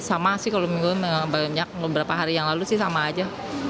sama sih kalau minggu banyak beberapa hari yang lalu sih sama aja